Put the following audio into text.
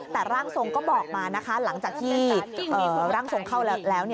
แต่ร่างทรงก็บอกมานะคะหลังจากที่ร่างทรงเข้าแล้ว